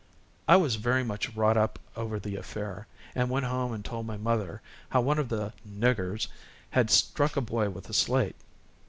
I was very much wrought up over the affair, and went home and told my mother how one of the "niggers" had struck a boy with a slate.